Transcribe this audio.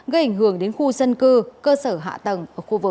gây ảnh hưởng đến khu dân cư cơ sở hạ tầng